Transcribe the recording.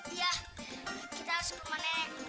iya kita harus ke rumah nenek